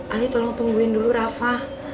ahli tolong tungguin dulu rafa